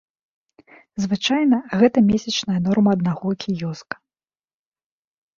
Звычайна, гэта месячная норма аднаго кіёска.